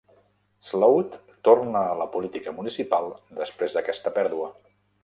Sloat tornà a la política municipal després d'aquesta pèrdua.